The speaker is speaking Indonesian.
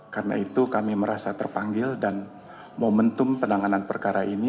karena itu kami merasa terpanggil dan momentum penanganan perkara ini